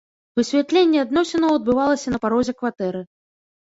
Высвятленне адносінаў адбывалася на парозе кватэры.